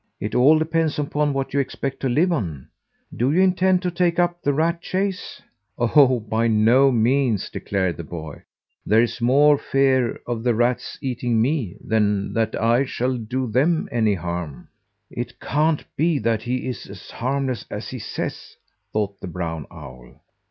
It all depends upon what you expect to live on. Do you intend to take up the rat chase?" "Oh, by no means!" declared the boy. "There is more fear of the rats eating me than that I shall do them any harm." "It can't be that he is as harmless as he says," thought the brown owl.